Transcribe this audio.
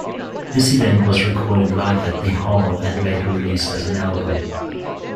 This event was recorded live at the hall, and later released as an album.